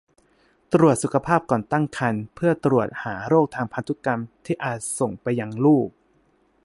ตรวจสุขภาพก่อนตั้งครรภ์เพื่อตรวจหาโรคทางพันธุกรรมที่อาจส่งไปยังลูก